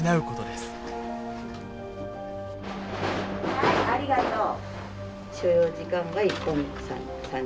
はいありがとう。